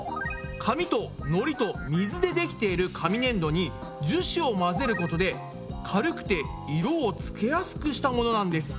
紙とのりと水でできている紙ねんどに樹脂を混ぜることで軽くて色をつけやすくしたものなんです。